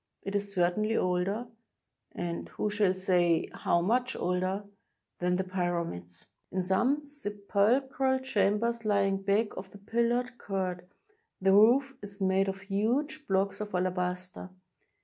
It is certainly older — and who shall say how much older? — than the Pyramids. In some sepul chral chambers lying back of the pillared court, the roof is made of huge blocks of alabaster.